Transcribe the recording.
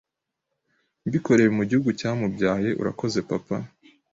mbikoreye mu gihugu cyamubyaye urakoze papa